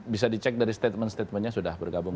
bisa dicek dari statement statementnya sudah bergabung